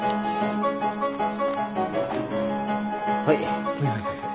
はい。